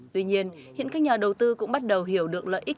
tuy nhiên hiện các nhà đầu tư cũng bắt đầu hiểu được lợi ích